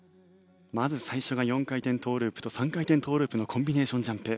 まず最初が４回転トウループ３回転トウループのコンビネーションジャンプ。